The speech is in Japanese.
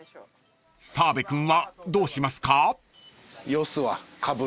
［澤部君はどうしますか？］